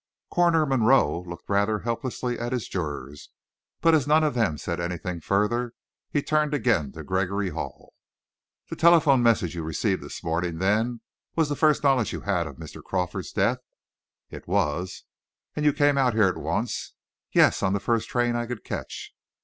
Coroner Monroe looked rather helplessly at his jurors, but as none of them said anything further, he turned again to Gregory Hall. "The telephone message you received this morning, then, was the first knowledge you had of Mr. Crawford's death?" "It was." "And you came out here at once?" "Yes; on the first train I could catch."